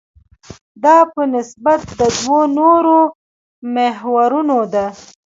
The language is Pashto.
دا په نسبت د دوو نورو محورونو ده.